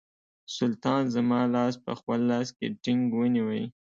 سلطان زما لاس په خپل لاس کې ټینګ ونیوی.